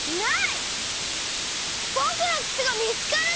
ぼくのくつがみつからない！